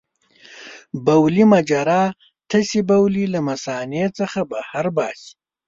بولي مجرا تشې بولې له مثانې څخه بهر باسي.